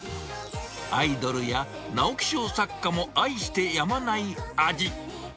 アイドルや直木賞作家も愛してやまない味。